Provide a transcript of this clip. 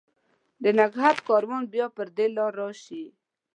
د نګهت کاروان به بیا پر دې لار، راشي